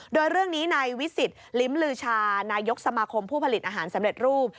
โดยเรื่องนี้ในวิสิตลิ้มลือชานายกสมาคมผู้ผลิตอาหารสำเร็จรูป